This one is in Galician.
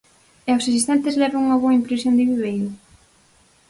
E os asistentes levan unha boa impresión de Viveiro?